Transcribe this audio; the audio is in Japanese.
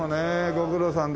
ご苦労さんです。